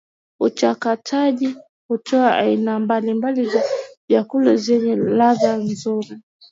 uchakataji hutoa aina mbali mbali za vyakula zenye ladha nzuri